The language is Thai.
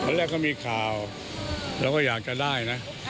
แรกก็มีข่าวเราก็อยากจะได้นะ